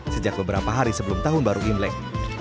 sejak beberapa hari sebelum tahun baru imlek